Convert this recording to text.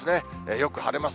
よく晴れます。